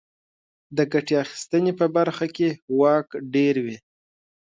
د ګټې اخیستنې په برخه کې واک ډېروي.